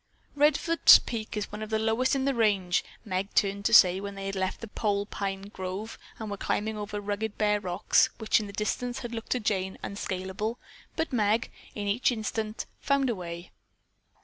"Redfords Peak is one of the lowest in the range," Meg turned to say when they had left the pole pine grove and were climbing over rugged bare rocks which in the distance had looked to Jane unscaleable, but Meg, in each instance, found a way.